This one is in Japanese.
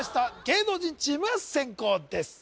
芸能人チームが先攻です